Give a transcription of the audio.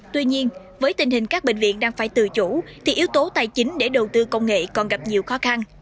tuy nhiên với tình hình các bệnh viện đang phải tự chủ thì yếu tố tài chính để đầu tư công nghệ còn gặp nhiều khó khăn